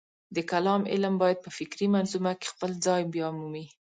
د کلام علم باید په فکري منظومه کې خپل ځای بیامومي.